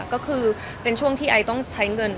ก็คือเป็นช่วงที่ไอต้องใช้เงิน